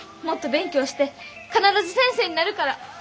もっと勉強して必ず先生になるから。